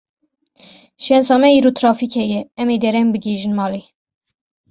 Şensa me îro trafîk heye, em ê dereng bigihîjin malê.